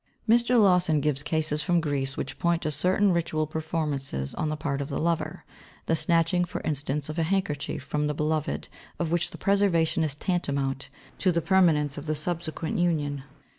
Mr. Lawson gives cases from Greece which point to certain ritual performances on the part of the lover; the snatching, for instance, of a handkerchief from the beloved, of which the preservation is tantamount to the permanence of the subsequent union.